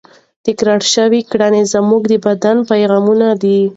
تکرار شوې کړنې زموږ د بدن پیغامونه دي.